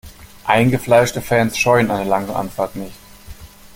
Eingefleischte Fans scheuen eine lange Anfahrt nicht.